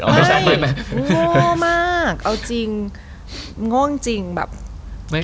ง่วงมากเอาจริงง่วงจริงแบบ